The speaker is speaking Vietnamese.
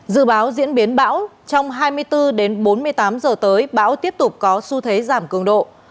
dự báo diễn biến bão trong hai mươi bốn đến bốn mươi tám giờ tới bão tiếp tục có xu thế giảm cường độ